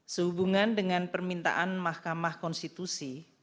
sehubungan dengan permintaan mahkamah konstitusi